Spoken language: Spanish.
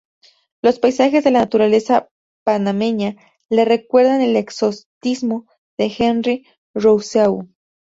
Los paisajes de la naturaleza panameña le recuerdan el exotismo de Henri Rousseau.